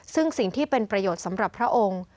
ซึ่งสิ่งที่เป็นประโยชน์สำหรับพระองค์